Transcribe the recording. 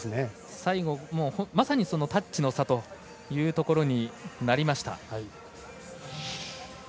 最後まさにそのタッチの差というところになりました。